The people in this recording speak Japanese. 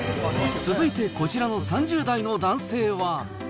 続いてこちらの３０代の男性は。